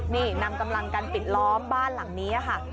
นี่นำกำลังกันปิดล้อมบ้านหลังนี้ค่ะ